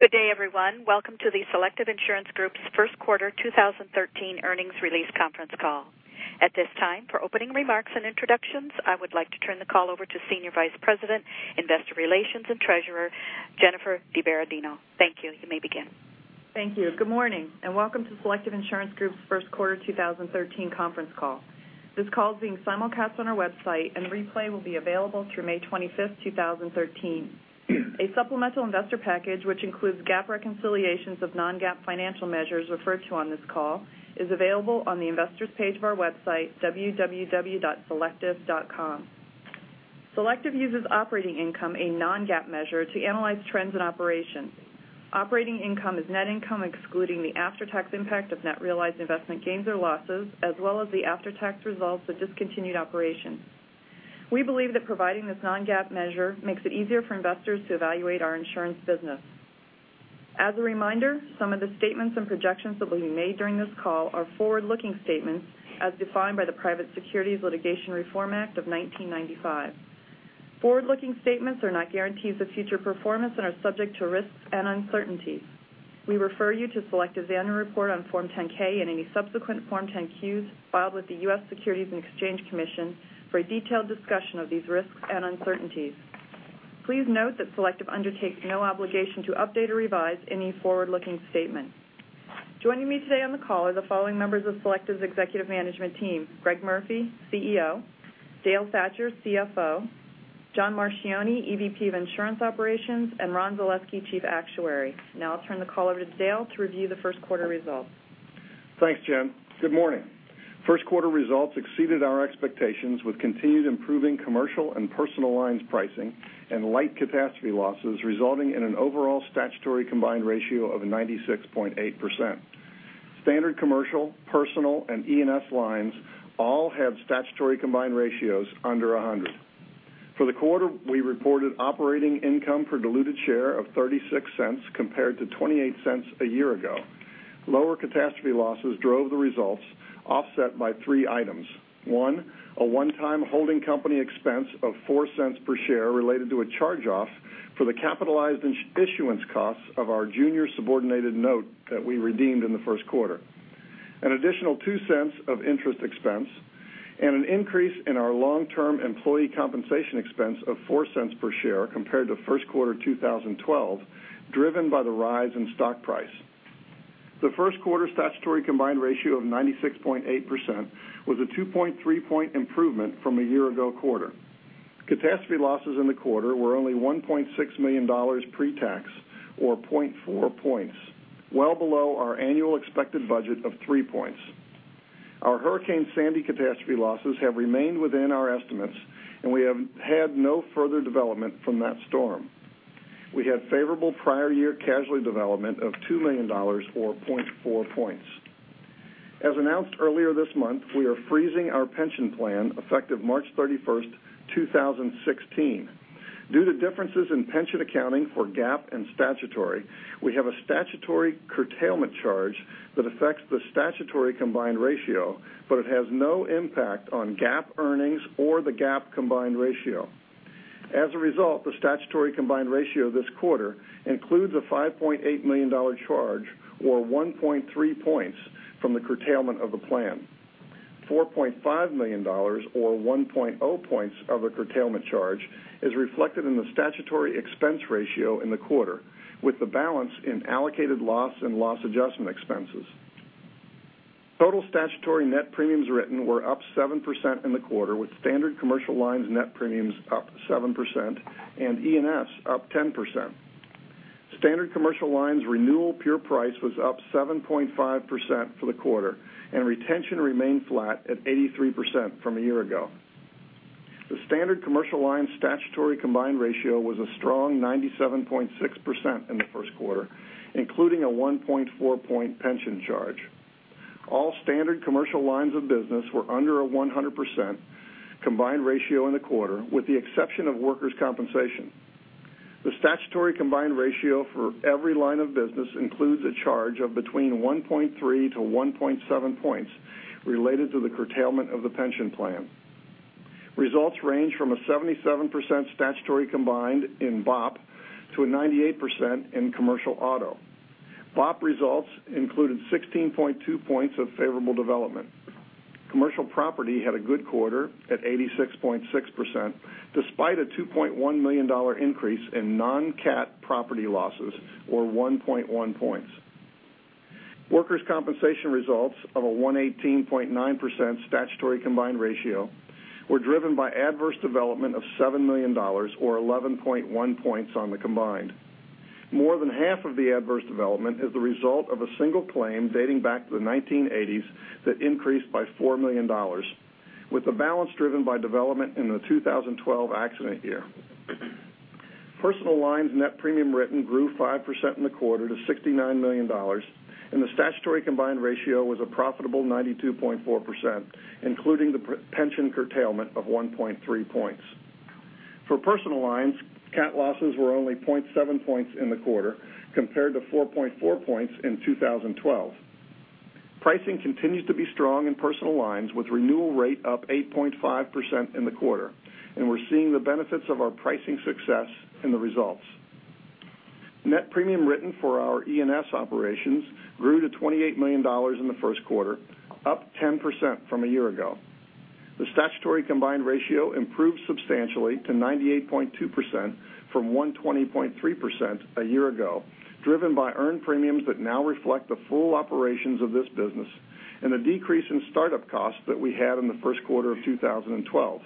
Good day, everyone. Welcome to the Selective Insurance Group's first quarter 2013 earnings release conference call. At this time, for opening remarks and introductions, I would like to turn the call over to Senior Vice President, Investor Relations and Treasurer, Jennifer DiBerardino. Thank you. You may begin. Thank you. Good morning, and welcome to Selective Insurance Group's first quarter 2013 conference call. This call is being simulcast on our website, and the replay will be available through May 25th, 2013. A supplemental investor package, which includes GAAP reconciliations of non-GAAP financial measures referred to on this call, is available on the investor's page of our website, www.selective.com. Selective uses operating income, a non-GAAP measure, to analyze trends and operations. Operating income is net income, excluding the after-tax impact of net realized investment gains or losses, as well as the after-tax results of discontinued operations. We believe that providing this non-GAAP measure makes it easier for investors to evaluate our insurance business. As a reminder, some of the statements and projections that will be made during this call are forward-looking statements as defined by the Private Securities Litigation Reform Act of 1995. Forward-looking statements are not guarantees of future performance and are subject to risks and uncertainties. We refer you to Selective's annual report on Form 10-K and any subsequent Form 10-Qs filed with the U.S. Securities and Exchange Commission for a detailed discussion of these risks and uncertainties. Please note that Selective undertakes no obligation to update or revise any forward-looking statements. Joining me today on the call are the following members of Selective's executive management team: Greg Murphy, CEO; Dale Thatcher, CFO; John Marchioni, EVP of Insurance Operations; and Ron Zaleski, Chief Actuary. Now I'll turn the call over to Dale to review the first quarter results. Thanks, Jen. Good morning. First quarter results exceeded our expectations with continued improving Commercial and Personal Lines pricing and light catastrophe losses resulting in an overall statutory combined ratio of 96.8%. Standard Commercial, Personal, and E&S lines all have statutory combined ratios under 100. For the quarter, we reported operating income per diluted share of $0.36 compared to $0.28 a year ago. Lower catastrophe losses drove the results offset by three items. One, a one-time holding company expense of $0.04 per share related to a charge-off for the capitalized issuance costs of our junior subordinated note that we redeemed in the first quarter, an additional $0.02 of interest expense, and an increase in our long-term employee compensation expense of $0.04 per share compared to first quarter 2012 driven by the rise in stock price. The first quarter statutory combined ratio of 96.8% was a 2.3-point improvement from a year ago quarter. Catastrophe losses in the quarter were only $1.6 million pre-tax or 0.4 points, well below our annual expected budget of three points. Our Hurricane Sandy catastrophe losses have remained within our estimates, and we have had no further development from that storm. We had favorable prior year casualty development of $2 million or 0.4 points. As announced earlier this month, we are freezing our pension plan effective March 31st, 2016. Due to differences in pension accounting for GAAP and statutory, we have a statutory curtailment charge that affects the statutory combined ratio, but it has no impact on GAAP earnings or the GAAP combined ratio. As a result, the statutory combined ratio this quarter includes a $5.8 million charge or 1.3 points from the curtailment of the plan. $4.5 million or 1.0 points of the curtailment charge is reflected in the statutory expense ratio in the quarter, with the balance in allocated loss and loss adjustment expenses. Total statutory net premiums written were up 7% in the quarter, with Standard Commercial Lines net premiums up 7% and E&S up 10%. Standard Commercial Lines renewal pure price was up 7.5% for the quarter, and retention remained flat at 83% from a year ago. The Standard Commercial Lines statutory combined ratio was a strong 97.6% in the first quarter, including a 1.4-point pension charge. All Standard Commercial Lines of business were under 100% combined ratio in the quarter, with the exception of Workers' Compensation. The statutory combined ratio for every line of business includes a charge of between 1.3-1.7 points related to the curtailment of the pension plan. Results range from 77% statutory combined in BOP to 98% in Commercial Auto. BOP results included 16.2 points of favorable development. Commercial Property had a good quarter at 86.6%, despite a $2.1 million increase in non-cat property losses or 1.1 points. Workers' Compensation results of 118.9% statutory combined ratio were driven by adverse development of $7 million or 11.1 points on the combined. More than half of the adverse development is the result of a single claim dating back to the 1980s that increased by $4 million, with the balance driven by development in the 2012 accident year. Personal Lines net premium written grew 5% in the quarter to $69 million, and the statutory combined ratio was a profitable 92.4%, including the pension curtailment of 1.3 points. For Personal Lines, cat losses were only 0.7 points in the quarter compared to 4.4 points in 2012. Pricing continues to be strong in Personal Lines with renewal rate up 8.5% in the quarter. We're seeing the benefits of our pricing success in the results. Net premium written for our E&S operations grew to $28 million in the first quarter, up 10% from a year ago. The statutory combined ratio improved substantially to 98.2% from 120.3% a year ago, driven by earned premiums that now reflect the full operations of this business and a decrease in startup costs that we had in the first quarter of 2012.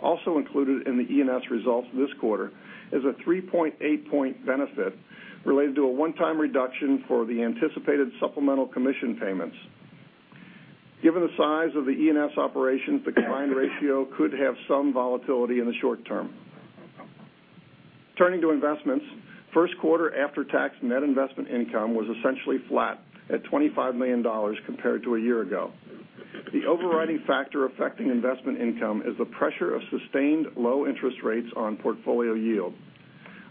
Also included in the E&S results this quarter is a 3.8-point benefit related to a one-time reduction for the anticipated supplemental commission payments. Given the size of the E&S operations, the combined ratio could have some volatility in the short term. Turning to investments, first quarter after-tax net investment income was essentially flat at $25 million compared to a year-ago. The overriding factor affecting investment income is the pressure of sustained low interest rates on portfolio yield.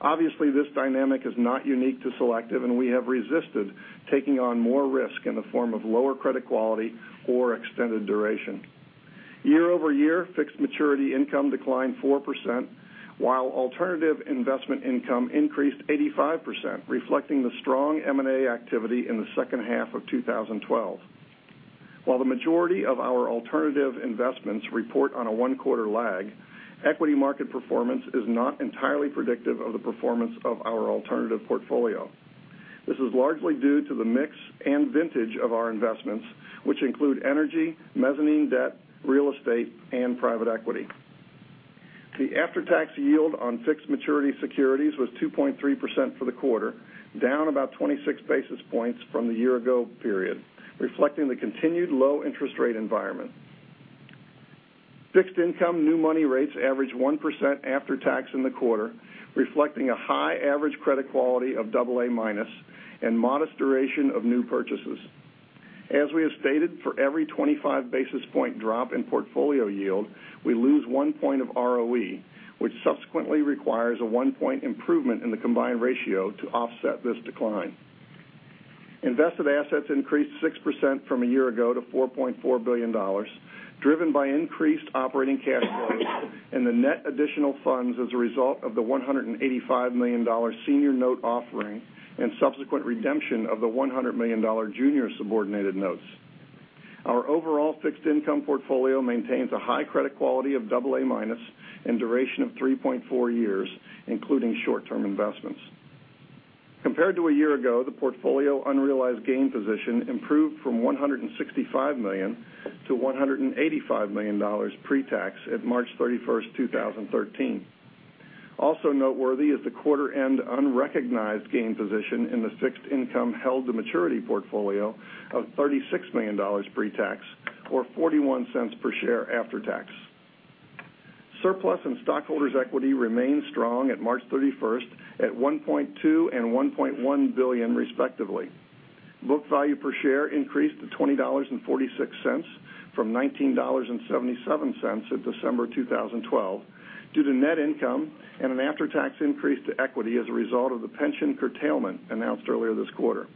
Obviously, this dynamic is not unique to Selective, and we have resisted taking on more risk in the form of lower credit quality or extended duration. Year-over-year fixed maturity income declined 4%, while alternative investment income increased 85%, reflecting the strong M&A activity in the second half of 2012. While the majority of our alternative investments report on a one-quarter lag, equity market performance is not entirely predictive of the performance of our alternative portfolio. This is largely due to the mix and vintage of our investments, which include energy, mezzanine debt, real estate, and private equity. The after-tax yield on fixed maturity securities was 2.3% for the quarter, down about 26 basis points from the year-ago period, reflecting the continued low interest rate environment. Fixed income new money rates averaged 1% after tax in the quarter, reflecting a high average credit quality of AA- and modest duration of new purchases. As we have stated, for every 25 basis point drop in portfolio yield, we lose one point of ROE, which subsequently requires a one point improvement in the combined ratio to offset this decline. Invested assets increased 6% from a year-ago to $4.4 billion, driven by increased operating cash flows and the net additional funds as a result of the $185 million senior note offering and subsequent redemption of the $100 million junior subordinated notes. Our overall fixed income portfolio maintains a high credit quality of AA- and duration of 3.4 years, including short-term investments. Compared to a year-ago, the portfolio unrealized gain position improved from $165 million to $185 million pre-tax at March 31, 2013. Also noteworthy is the quarter-end unrecognized gain position in the fixed income held-to-maturity portfolio of $36 million pre-tax or $0.41 per share after tax. Surplus and stockholders' equity remained strong at March 31 at $1.2 billion and $1.1 billion respectively. Book value per share increased to $20.46 from $19.77 at December 2012 due to net income and an after-tax increase to equity as a result of the pension curtailment announced earlier this quarter.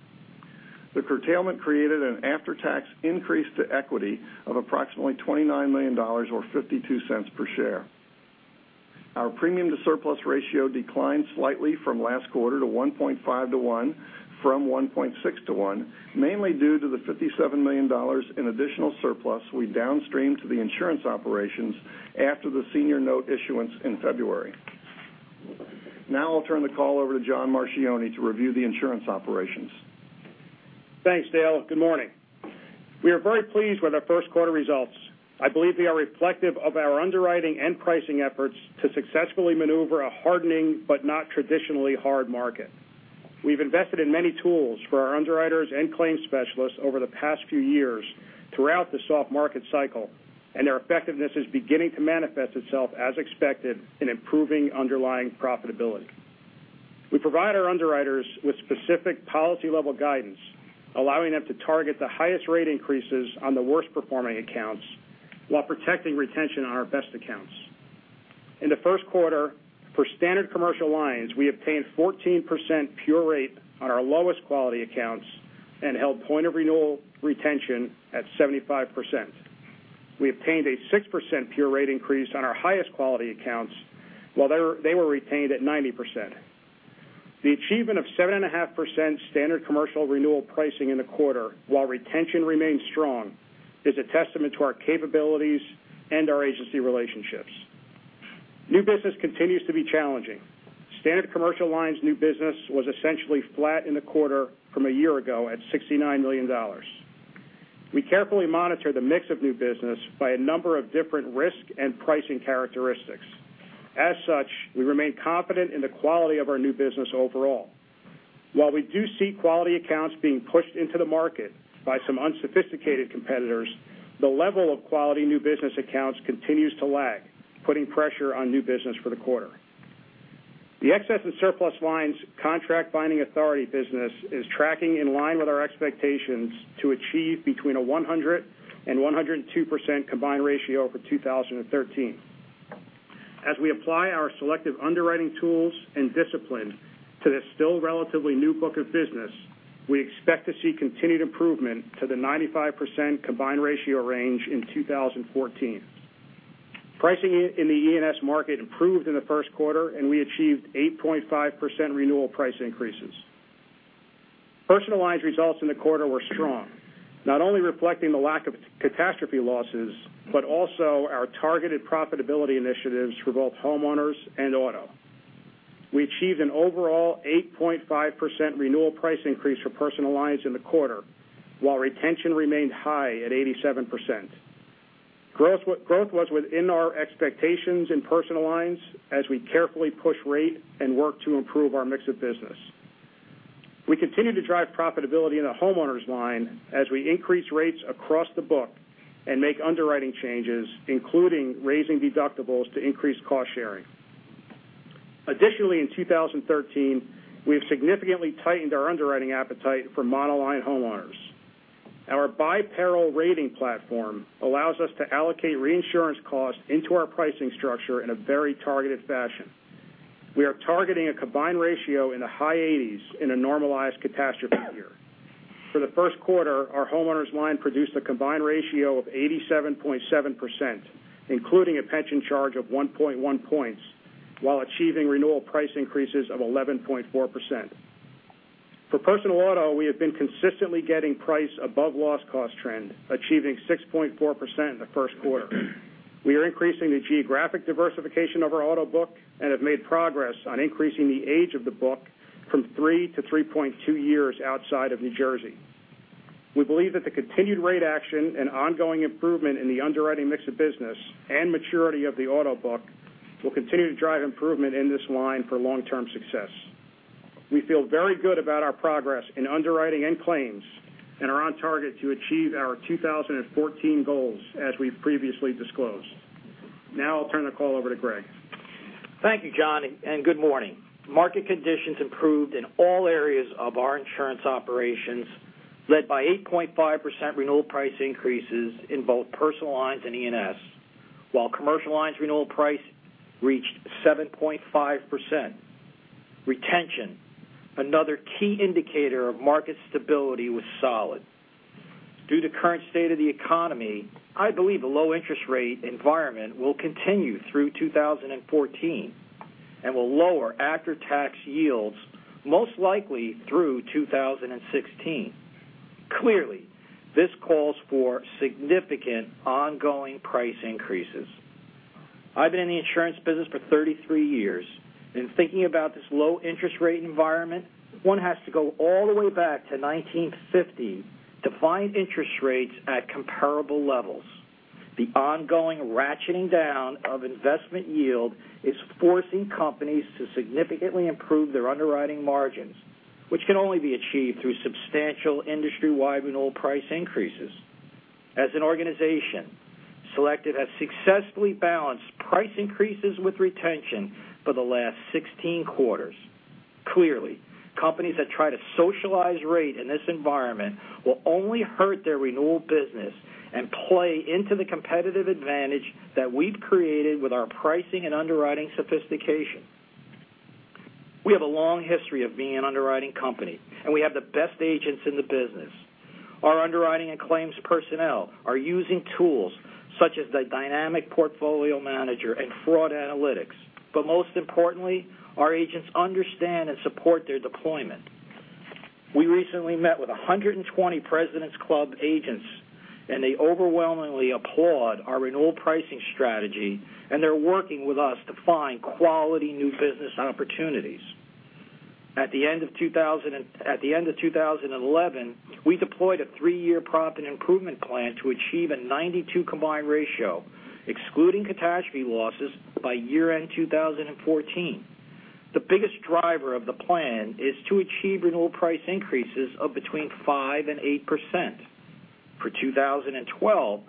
The curtailment created an after-tax increase to equity of approximately $29 million or $0.52 per share. Our premium to surplus ratio declined slightly from last quarter to 1.5 to 1 from 1.6 to 1, mainly due to the $57 million in additional surplus we downstreamed to the insurance operations after the senior note issuance in February. Now I'll turn the call over to John Marchioni to review the insurance operations. Thanks, Dale. Good morning. We are very pleased with our first quarter results. I believe they are reflective of our underwriting and pricing efforts to successfully maneuver a hardening but not traditionally hard market. We've invested in many tools for our underwriters and claims specialists over the past few years throughout the soft market cycle, and their effectiveness is beginning to manifest itself as expected in improving underlying profitability. We provide our underwriters with specific policy-level guidance, allowing them to target the highest rate increases on the worst-performing accounts while protecting retention on our best accounts. In the first quarter, for Standard Commercial Lines, we obtained 14% pure rate on our lowest quality accounts and held point of renewal retention at 75%. We obtained a 6% pure rate increase on our highest quality accounts, while they were retained at 90%. The achievement of 7.5% Standard Commercial renewal pricing in the quarter while retention remains strong is a testament to our capabilities and our agency relationships. New business continues to be challenging. Standard Commercial Lines new business was essentially flat in the quarter from a year ago at $69 million. We carefully monitor the mix of new business by a number of different risk and pricing characteristics. As such, we remain confident in the quality of our new business overall. While we do see quality accounts being pushed into the market by some unsophisticated competitors, the level of quality new business accounts continues to lag, putting pressure on new business for the quarter. The Excess and Surplus Lines contract binding authority business is tracking in line with our expectations to achieve between a 100% and 102% combined ratio for 2013. As we apply our selective underwriting tools and disciplines to this still relatively new book of business, we expect to see continued improvement to the 95% combined ratio range in 2014. Pricing in the E&S market improved in the first quarter, and we achieved 8.5% renewal price increases. Personal Lines results in the quarter were strong, not only reflecting the lack of catastrophe losses, but also our targeted profitability initiatives for both homeowners and auto. We achieved an overall 8.5% renewal price increase for Personal Lines in the quarter, while retention remained high at 87%. Growth was within our expectations in Personal Lines as we carefully push rate and work to improve our mix of business. We continue to drive profitability in the homeowners line as we increase rates across the book and make underwriting changes, including raising deductibles to increase cost sharing. Additionally, in 2013, we have significantly tightened our underwriting appetite for monoline homeowners. Our by-peril rating platform allows us to allocate reinsurance costs into our pricing structure in a very targeted fashion. We are targeting a combined ratio in the high 80s in a normalized catastrophe year. For the first quarter, our homeowners line produced a combined ratio of 87.7%, including a pension charge of 1.1 points, while achieving renewal price increases of 11.4%. For Personal Auto, we have been consistently getting price above loss cost trend, achieving 6.4% in the first quarter. We are increasing the geographic diversification of our auto book and have made progress on increasing the age of the book from three to 3.2 years outside of New Jersey. We believe that the continued rate action and ongoing improvement in the underwriting mix of business and maturity of the auto book will continue to drive improvement in this line for long-term success. We feel very good about our progress in underwriting and claims and are on target to achieve our 2014 goals as we've previously disclosed. Now I'll turn the call over to Greg. Thank you, John, and good morning. Market conditions improved in all areas of our insurance operations, led by 8.5% renewal price increases in both Personal Lines and E&S, while Commercial Lines renewal price reached 7.5%. Retention, another key indicator of market stability, was solid. This calls for significant ongoing price increases. I've been in the insurance business for 33 years. In thinking about this low interest rate environment, one has to go all the way back to 1950 to find interest rates at comparable levels. The ongoing ratcheting down of investment yield is forcing companies to significantly improve their underwriting margins, which can only be achieved through substantial industry-wide renewal price increases. As an organization, Selective has successfully balanced price increases with retention for the last 16 quarters. Companies that try to socialize rate in this environment will only hurt their renewal business and play into the competitive advantage that we've created with our pricing and underwriting sophistication. We have a long history of being an underwriting company, and we have the best agents in the business. Our underwriting and claims personnel are using tools such as the Dynamic Portfolio Manager and fraud analytics. Most importantly, our agents understand and support their deployment. We recently met with 120 President's Club agents, and they overwhelmingly applaud our renewal pricing strategy, and they're working with us to find quality new business opportunities. At the end of 2011, we deployed a three-year profit improvement plan to achieve a 92 combined ratio, excluding catastrophe losses by year-end 2014. The biggest driver of the plan is to achieve renewal price increases of between 5% and 8%. For 2012,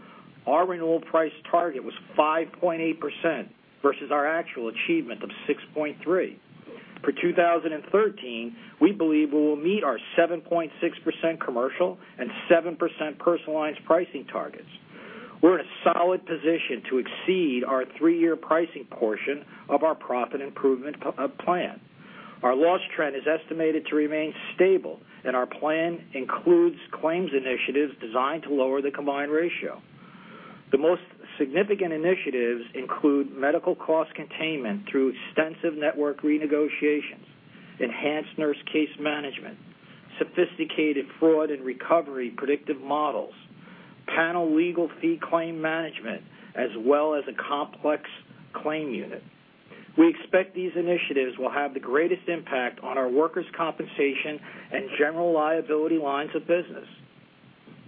our renewal price target was 5.8% versus our actual achievement of 6.3%. For 2013, we believe we will meet our 7.6% commercial and 7% Personal Lines pricing targets. We're in a solid position to exceed our three-year pricing portion of our profit improvement plan. Our loss trend is estimated to remain stable, and our plan includes claims initiatives designed to lower the combined ratio. The most significant initiatives include medical cost containment through extensive network renegotiations, enhanced nurse case management, sophisticated fraud and recovery predictive models, panel legal fee claim management, as well as a complex claim unit. We expect these initiatives will have the greatest impact on our Workers' Compensation and General Liability lines of business.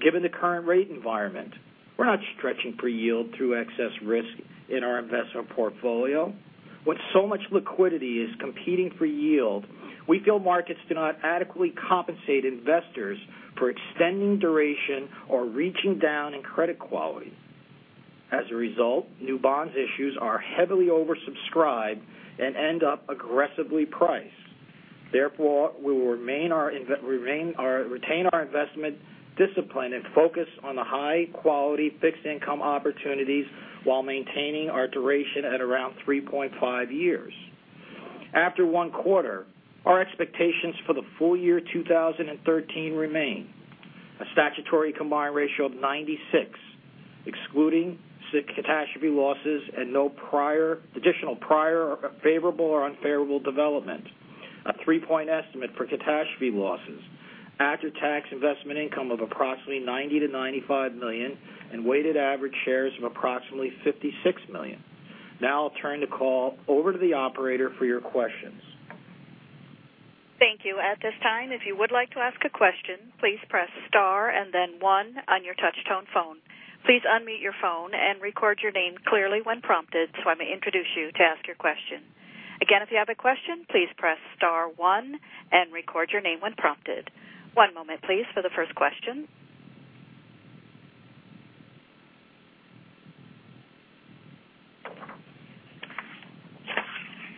Given the current rate environment, we're not stretching for yield through excess risk in our investment portfolio. With so much liquidity competing for yield, we feel markets do not adequately compensate investors for extending duration or reaching down in credit quality. As a result, new bond issues are heavily oversubscribed and end up aggressively priced. We will retain our investment discipline and focus on the high-quality fixed income opportunities while maintaining our duration at around 3.5 years. After one quarter, our expectations for the full year 2013 remain a statutory combined ratio of 96, excluding catastrophe losses and no additional prior favorable or unfavorable development, a three-point estimate for catastrophe losses, after-tax investment income of approximately $90 million-$95 million, and weighted average shares of approximately 56 million. I'll turn the call over to the operator for your questions. Thank you. At this time, if you would like to ask a question, please press star and then one on your touch-tone phone. Please unmute your phone and record your name clearly when prompted so I may introduce you to ask your question. Again, if you have a question, please press star one and record your name when prompted. One moment, please, for the first question.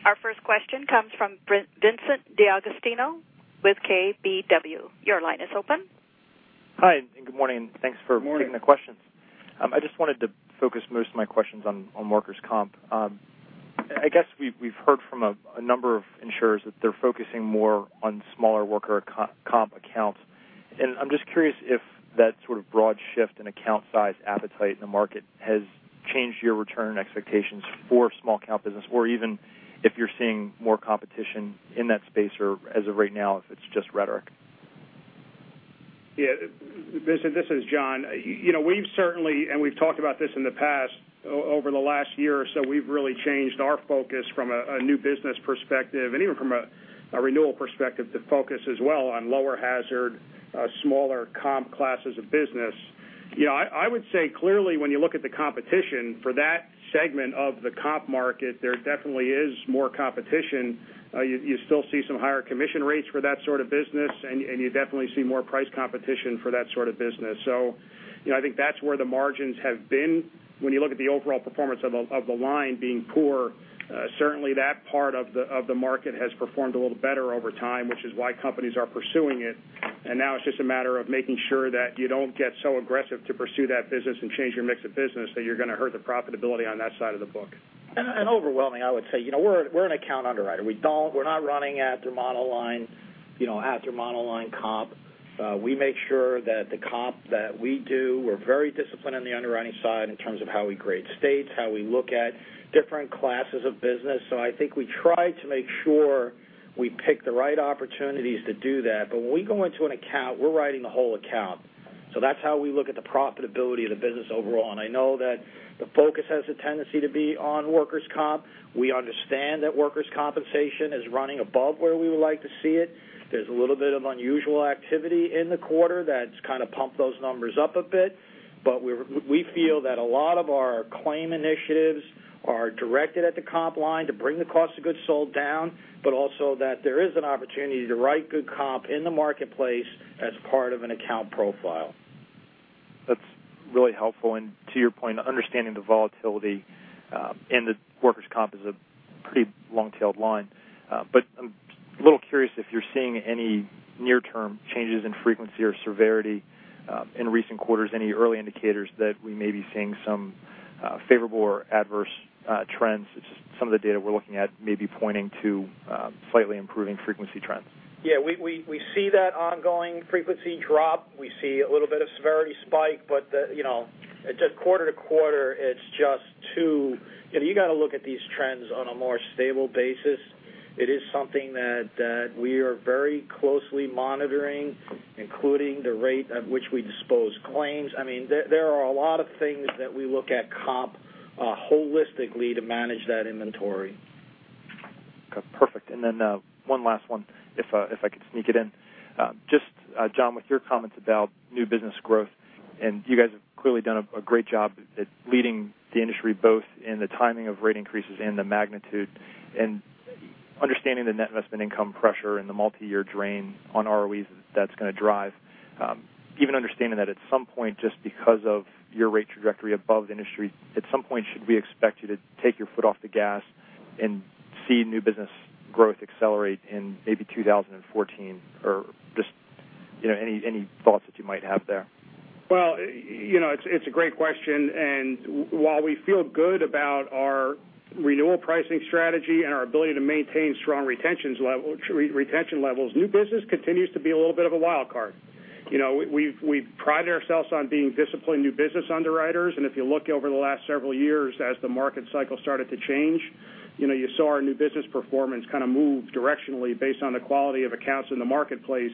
Our first question comes from Vincent DeAugustino with KBW. Your line is open. Hi, good morning. Good morning taking the questions. I just wanted to focus most of my questions on workers' comp. I guess we've heard from a number of insurers that they're focusing more on smaller worker comp accounts, I'm just curious if that sort of broad shift in account size appetite in the market has changed your return expectations for small account business or even if you're seeing more competition in that space, or as of right now, if it's just rhetoric. Yeah. Vincent, this is John. We've certainly, and we've talked about this in the past, over the last year or so, we've really changed our focus from a new business perspective and even from a renewal perspective to focus as well on lower hazard, smaller comp classes of business. I would say clearly when you look at the competition for that segment of the comp market, there definitely is more competition. You still see some higher commission rates for that sort of business, and you definitely see more price competition for that sort of business. I think that's where the margins have been. When you look at the overall performance of the line being poor, certainly that part of the market has performed a little better over time, which is why companies are pursuing it, now it's just a matter of making sure that you don't get so aggressive to pursue that business and change your mix of business that you're going to hurt the profitability on that side of the book. Overwhelming, I would say. We're an account underwriter. We're not running after mono line comp. We make sure that the comp that we do, we're very disciplined on the underwriting side in terms of how we grade states, how we look at different classes of business. I think we try to make sure we pick the right opportunities to do that. When we go into an account, we're writing a whole account. That's how we look at the profitability of the business overall, and I know that the focus has a tendency to be on Workers' Comp. We understand that Workers' Compensation is running above where we would like to see it. There's a little bit of unusual activity in the quarter that's kind of pumped those numbers up a bit. We feel that a lot of our claim initiatives are directed at the comp line to bring the cost of goods sold down, but also that there is an opportunity to write good comp in the marketplace as part of an account profile. That's really helpful. To your point, understanding the volatility in the Workers' Comp is a pretty long-tailed line. I'm a little curious if you're seeing any near-term changes in frequency or severity in recent quarters, any early indicators that we may be seeing some favorable or adverse trends, some of the data we're looking at may be pointing to slightly improving frequency trends. Yeah, we see that ongoing frequency drop. We see a little bit of severity spike. Quarter to quarter, you've got to look at these trends on a more stable basis. It is something that we are very closely monitoring, including the rate at which we dispose claims. There are a lot of things that we look at comp holistically to manage that inventory. Okay, perfect. One last one, if I could sneak it in. Just, John, with your comments about new business growth, you guys have clearly done a great job at leading the industry both in the timing of rate increases and the magnitude and understanding the net investment income pressure and the multiyear drain on ROEs that's going to drive. Even understanding that at some point, just because of your rate trajectory above the industry, at some point, should we expect you to take your foot off the gas and see new business growth accelerate in maybe 2014? Just any thoughts that you might have there? It's a great question, while we feel good about our renewal pricing strategy and our ability to maintain strong retention levels, new business continues to be a little bit of a wild card. We pride ourselves on being disciplined new business underwriters, if you look over the last several years as the market cycle started to change, you saw our new business performance kind of move directionally based on the quality of accounts in the marketplace.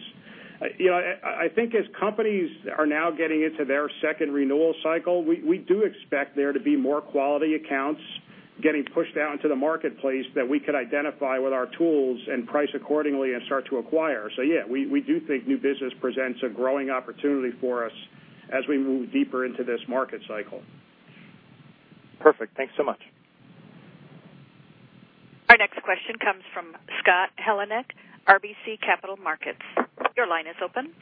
I think as companies are now getting into their second renewal cycle, we do expect there to be more quality accounts getting pushed out into the marketplace that we could identify with our tools and price accordingly and start to acquire. Yeah, we do think new business presents a growing opportunity for us as we move deeper into this market cycle. Perfect. Thanks so much. Our next question comes from Scott Heleniak, RBC Capital Markets. Your line is open.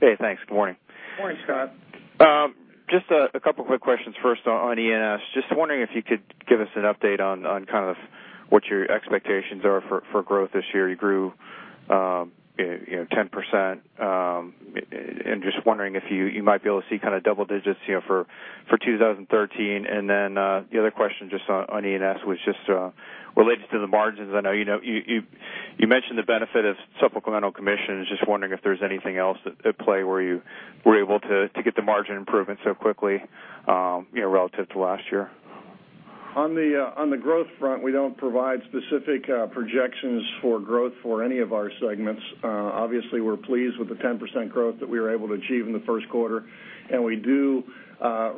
Hey, thanks. Good morning. Morning, Scott. Just a couple of quick questions first on E&S. Just wondering if you could give us an update on what your expectations are for growth this year. You grew 10%. Just wondering if you might be able to see double digits for 2013. The other question just on E&S was just related to the margins. I know you mentioned the benefit of supplemental commissions. Just wondering if there's anything else at play where you were able to get the margin improvement so quickly, relative to last year. On the growth front, we don't provide specific projections for growth for any of our segments. Obviously, we're pleased with the 10% growth that we were able to achieve in the first quarter. We do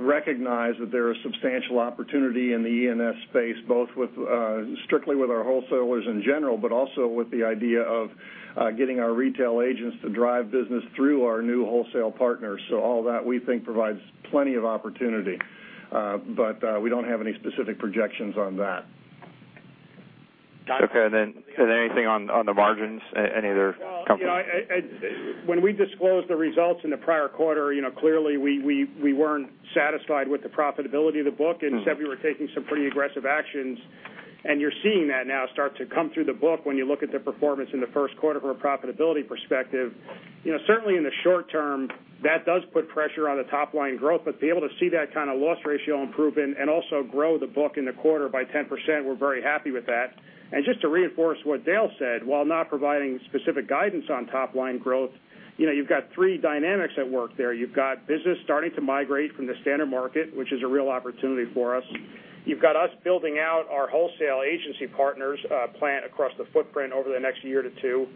recognize that there is substantial opportunity in the E&S space, both strictly with our wholesalers in general, but also with the idea of getting our retail agents to drive business through our new wholesale partners. All that we think provides plenty of opportunity. We don't have any specific projections on that. Okay, anything on the margins? Any other comments? When we disclosed the results in the prior quarter, clearly we weren't satisfied with the profitability of the book and said we were taking some pretty aggressive actions, you're seeing that now start to come through the book when you look at the performance in the first quarter from a profitability perspective. Certainly in the short term, that does put pressure on the top-line growth. To be able to see that kind of loss ratio improvement and also grow the book in the quarter by 10%, we're very happy with that. Just to reinforce what Dale said, while not providing specific guidance on top-line growth, you've got three dynamics at work there. You've got business starting to migrate from the standard market, which is a real opportunity for us. You've got us building out our wholesale agency partners plan across the footprint over the next year to two,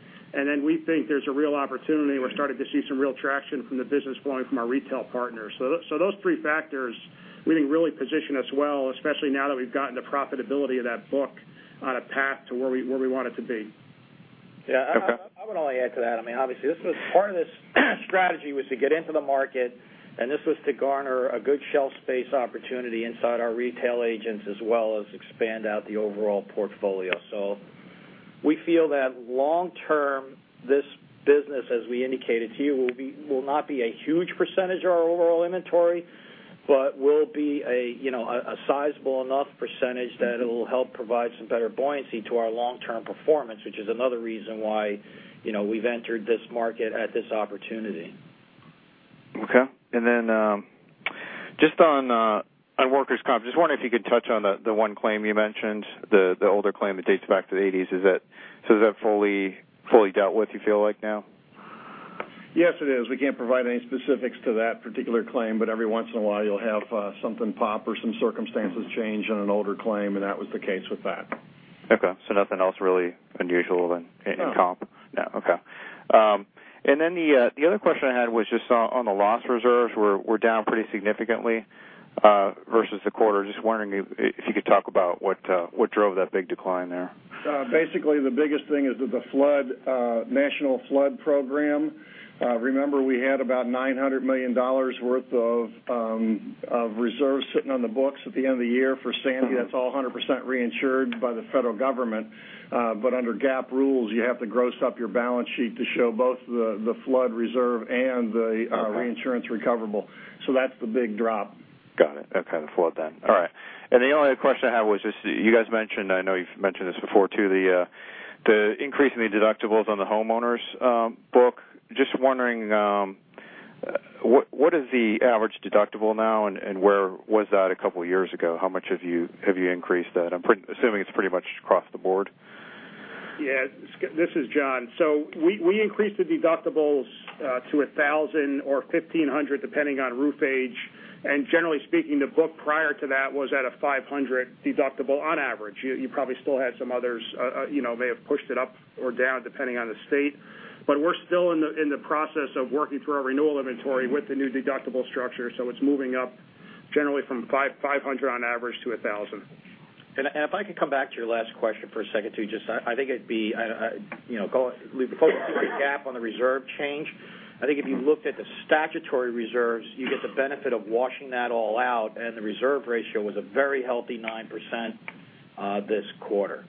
we think there's a real opportunity, we're starting to see some real traction from the business flowing from our retail partners. Those three factors, we think, really position us well, especially now that we've gotten the profitability of that book on a path to where we want it to be. Okay. I would only add to that, obviously part of this strategy was to get into the market, this was to garner a good shelf space opportunity inside our retail agents, as well as expand out the overall portfolio. We feel that long term, this business, as we indicated to you, will not be a huge percentage of our overall inventory, but will be a sizable enough percentage that it'll help provide some better buoyancy to our long-term performance, which is another reason why we've entered this market at this opportunity. Okay. Just on workers' comp, just wondering if you could touch on the one claim you mentioned, the older claim that dates back to the '80s. Is that fully dealt with, you feel like now? Yes, it is. We can't provide any specifics to that particular claim, but every once in a while you'll have something pop or some circumstances change on an older claim, and that was the case with that. Okay, nothing else really unusual then in comp? No. Okay. The other question I had was just on the loss reserves were down pretty significantly versus the quarter. Just wondering if you could talk about what drove that big decline there. The biggest thing is that the National Flood Program. Remember we had about $900 million worth of reserves sitting on the books at the end of the year for Sandy. That's all 100% reinsured by the federal government. Under GAAP rules, you have to gross up your balance sheet to show both the flood reserve and the reinsurance recoverable. That's the big drop. Got it. Okay. The flood then. All right. The only other question I had was just, you guys mentioned, I know you've mentioned this before too, the increase in the deductibles on the homeowners book. Just wondering, what is the average deductible now, and where was that a couple of years ago? How much have you increased that? I'm assuming it's pretty much across the board. Yeah. This is John. We increased the deductibles to 1,000 or 1,500, depending on roof age. Generally speaking, the book prior to that was at a 500 deductible on average. You probably still had some others, may have pushed it up or down depending on the state. We're still in the process of working through our renewal inventory with the new deductible structure. It's moving up generally from 500 on average to 1,000. If I could come back to your last question for a second, too. Just, I think we focus on the GAAP on the reserve change. I think if you looked at the statutory reserves, you get the benefit of washing that all out, and the reserve ratio was a very healthy 9% this quarter.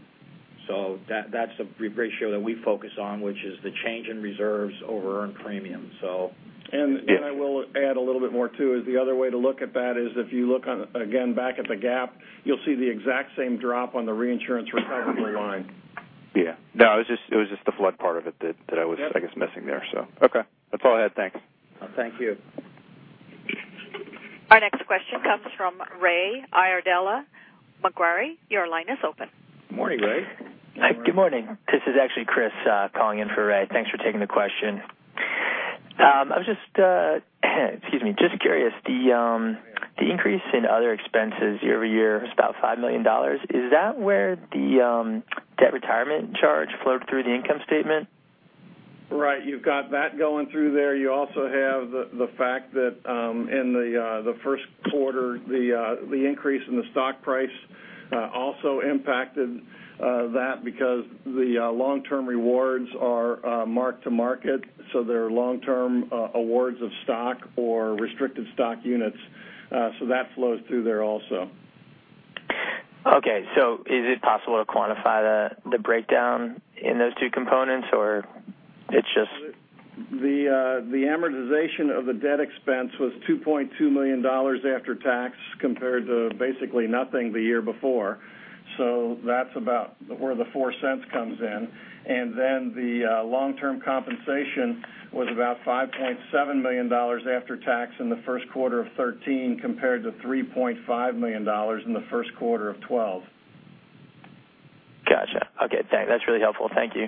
That's the ratio that we focus on, which is the change in reserves over earned premium. I will add a little bit more, too, is the other way to look at that is if you look on, again, back at the GAAP, you'll see the exact same drop on the reinsurance recovery line. Yeah. No, it was just the flood part of it that I was, I guess, missing there, okay. That's all I had. Thanks. Thank you. Our next question comes from Ray Iardella, Macquarie. Your line is open. Morning, Ray. Morning. Good morning. This is actually Chris calling in for Ray. Thanks for taking the question. Just curious, the increase in other expenses year-over-year is about $5 million. Is that where the debt retirement charge flowed through the income statement? Right. You've got that going through there. You also have the fact that in the first quarter, the increase in the stock price also impacted that because the long-term rewards are mark-to-market, so they're long-term awards of stock or restricted stock units. That flows through there also. Okay. Is it possible to quantify the breakdown in those two components? The amortization of the debt expense was $2.2 million after tax compared to basically nothing the year before. That's about where the $0.04 comes in. The long-term compensation was about $5.7 million after tax in the first quarter of 2013, compared to $3.5 million in the first quarter of 2012. Got you. Okay, that's really helpful. Thank you.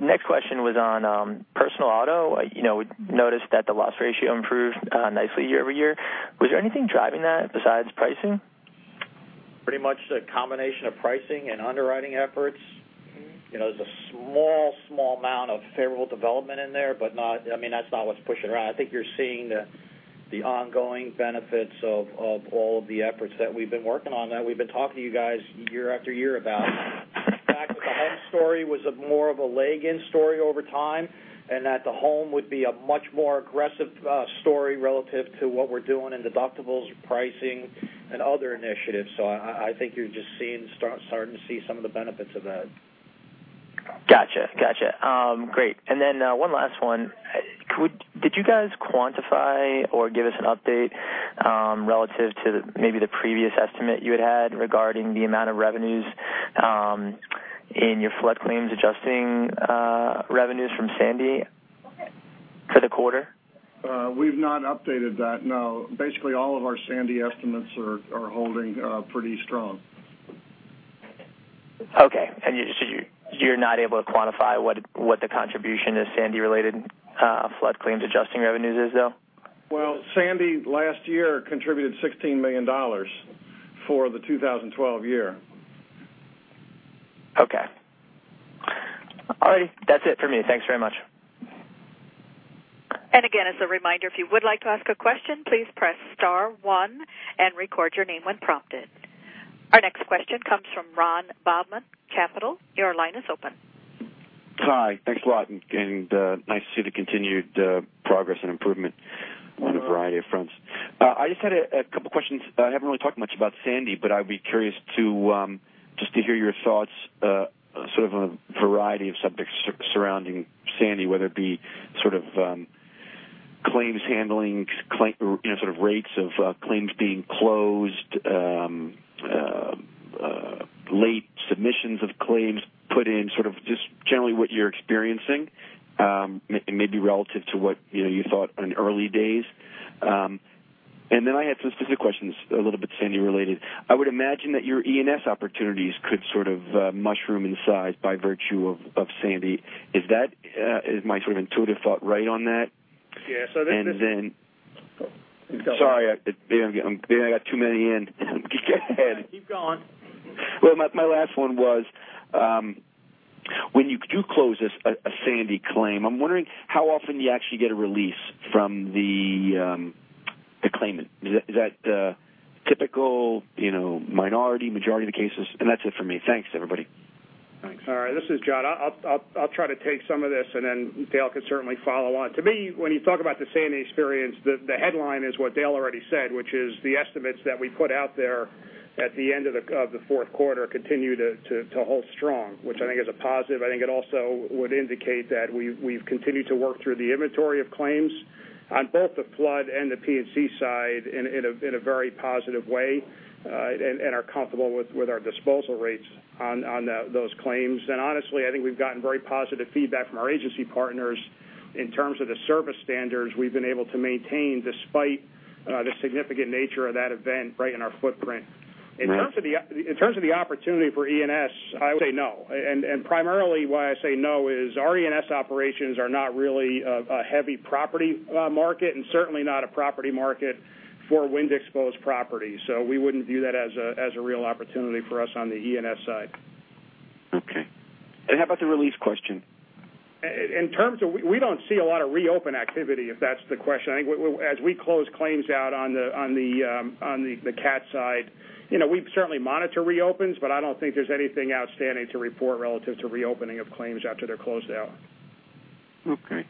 Next question was on personal auto. We noticed that the loss ratio improved nicely year-over-year. Was there anything driving that besides pricing? Pretty much the combination of pricing and underwriting efforts. There's a small amount of favorable development in there, that's not what's pushing it around. I think you're seeing the ongoing benefits of all of the efforts that we've been working on, that we've been talking to you guys year after year about. The fact that the home story was more of a lag-in story over time, that the home would be a much more aggressive story relative to what we're doing in deductibles, pricing, and other initiatives. I think you're just starting to see some of the benefits of that. Got you. Great. One last one. Did you guys quantify or give us an update, relative to maybe the previous estimate you had had regarding the amount of revenues in your flood claims adjusting revenues from Sandy for the quarter? We've not updated that. No. Basically, all of our Sandy estimates are holding pretty strong. Okay. You're not able to quantify what the contribution to Sandy related flood claims adjusting revenues is, though? Well, Sandy last year contributed $16 million for the 2012 year. Okay. All right. That's it for me. Thanks very much. As a reminder, if you would like to ask a question, please press star one and record your name when prompted. Our next question comes from Ronald Bobman, Capital Returns Management. Your line is open. Hi. Thanks a lot, nice to see the continued progress and improvement on a variety of fronts. I just had a couple questions. I haven't really talked much about Sandy, but I'd be curious just to hear your thoughts on a variety of subjects surrounding Sandy, whether it be claims handling, rates of claims being closed, late submissions of claims put in. Just generally what you're experiencing, maybe relative to what you thought in early days. I had some specific questions, a little bit Sandy related. I would imagine that your E&S opportunities could mushroom in size by virtue of Sandy. Is my intuitive thought right on that? Yeah. Sorry, maybe I got too many in. Go ahead. Keep going. Well, my last one was, when you do close a Sandy claim, I'm wondering how often you actually get a release from the claimant. Is that typical minority, majority of the cases? That's it for me. Thanks, everybody. Thanks. All right. This is John. I'll try to take some of this and then Dale can certainly follow on. To me, when you talk about the Sandy experience, the headline is what Dale already said, which is the estimates that we put out there at the end of the fourth quarter continue to hold strong, which I think is a positive. I think it also would indicate that we've continued to work through the inventory of claims on both the flood and the P&C side in a very positive way, and are comfortable with our disposal rates on those claims. Honestly, I think we've gotten very positive feedback from our agency partners in terms of the service standards we've been able to maintain despite the significant nature of that event right in our footprint. Right. In terms of the opportunity for E&S, I would say no. Primarily why I say no is our E&S operations are not really a heavy property market and certainly not a property market for wind exposed properties. We wouldn't view that as a real opportunity for us on the E&S side. Okay. How about the release question? We don't see a lot of reopen activity, if that's the question. I think as we close claims out on the cat side, we certainly monitor reopens, but I don't think there's anything outstanding to report relative to reopening of claims after they're closed out. Okay.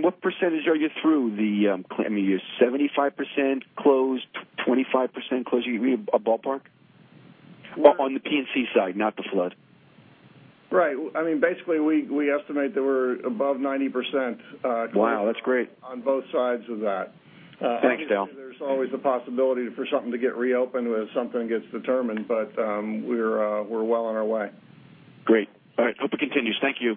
What percentage are you through the claim? Are you 75% closed? 25% closed? Give me a ballpark. On the P&C side, not the flood. Right. Basically, we estimate that we're above 90%. Wow, that's great on both sides of that. Thanks, Dale. Obviously, there's always a possibility for something to get reopened when something gets determined, but we're well on our way. Great. All right. Hope it continues. Thank you.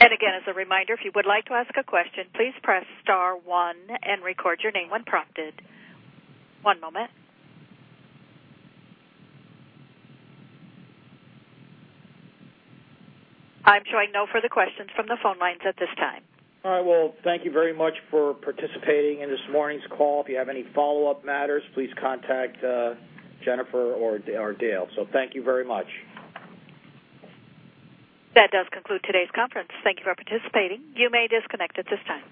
Again, as a reminder, if you would like to ask a question, please press star one and record your name when prompted. One moment. I'm showing no further questions from the phone lines at this time. All right. Well, thank you very much for participating in this morning's call. If you have any follow-up matters, please contact Jennifer or Dale. Thank you very much. That does conclude today's conference. Thank you for participating. You may disconnect at this time.